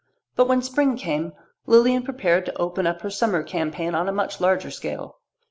But when spring came Lilian prepared to open up her summer campaign on a much larger scale.